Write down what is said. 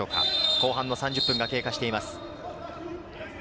後半の３０分が経過しています。